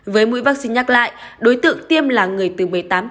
với mũi vaccine nhắc lại đối tượng tiêm là người từ một mươi tám tuổi trở lên